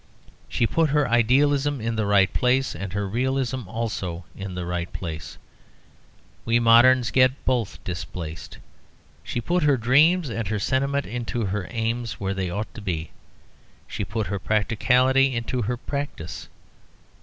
She put her idealism in the right place, and her realism also in the right place: we moderns get both displaced. She put her dreams and her sentiment into her aims, where they ought to be; she put her practicality into her practice.